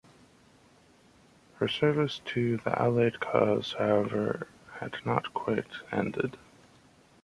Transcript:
Her service to the Allied cause, however, had not quite ended.